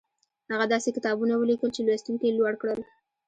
هغه داسې کتابونه وليکل چې لوستونکي يې لوړ کړل.